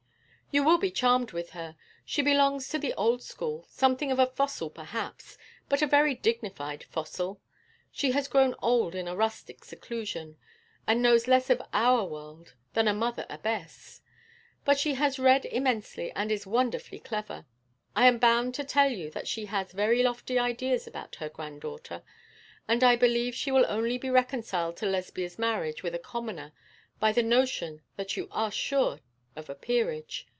'You will be charmed with her. She belongs to the old school something of a fossil, perhaps, but a very dignified fossil. She has grown old in a rustic seclusion, and knows less of our world than a mother abbess; but she has read immensely, and is wonderfully clever. I am bound to tell you that she has very lofty ideas about her granddaughter; and I believe she will only be reconciled to Lesbia's marriage with a commoner by the notion that you are sure of a peerage.